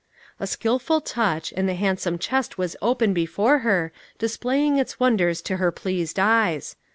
A skilful touch, and the handsome chest was open before her, displaying its wonders to her pleased eyes.